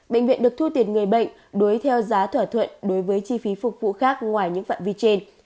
bệnh viện được thu tiền người bệnh đối theo giá thỏa thuận đối với chi phí phục vụ khác ngoài những phạm vi trên